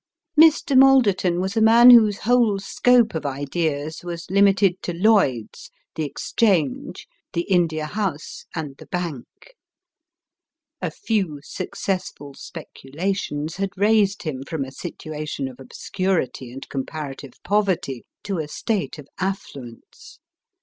Mr. Malderton was a man whose whole scope of ideas was limited to Lloyd's, the Exchange, the India House, and the Bank. A few successful speculations had raised him from a situation of obscurity and comparative poverty, to a state of affluence.